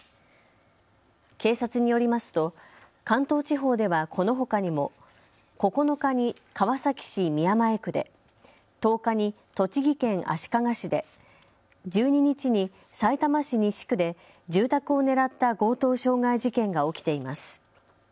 警察によりますと関東地方ではこのほかにも９日に川崎市宮前区で１０日に栃木県足利市で１２日にさいたま市西区で住宅を狙った強盗傷害事件が起きています。